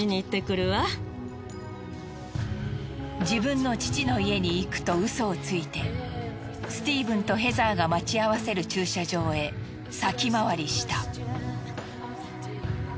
自分の父の家に行くとウソをついてスティーブンとヘザーが待ち合わせる駐車場へ先回りした。